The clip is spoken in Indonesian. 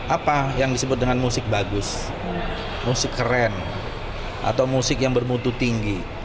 apa yang disebut dengan musik bagus musik keren atau musik yang bermutu tinggi